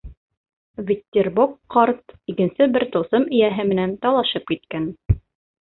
Веттербок ҡарт икенсе бер тылсым эйәһе менән талашып киткән.